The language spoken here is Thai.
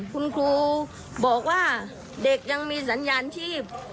คุณครูบอกว่าเด็กยังมีสัญญาณชีพ